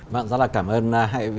vâng rất là cảm ơn